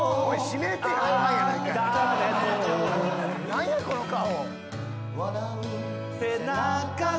何やこの顔！